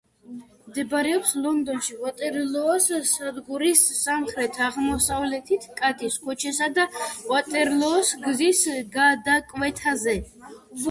მდებარეობს ლონდონში, ვატერლოოს სადგურის სამხრეთ-აღმოსავლეთით, კატის ქუჩისა და ვატერლოოს გზის გადაკვეთაზე.